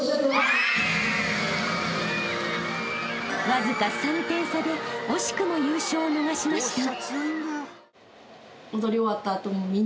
［わずか３点差で惜しくも優勝を逃しました］